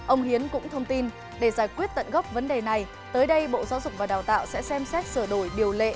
ông hiến cũng thông tin để giải quyết tận gốc vấn đề này tới đây bộ giáo dục và đào tạo sẽ xem xét sửa đổi điều lệ